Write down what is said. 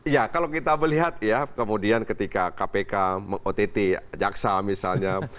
ya kalau kita melihat ya kemudian ketika kpk meng ott caksa misalnya